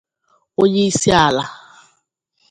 onyeisi ala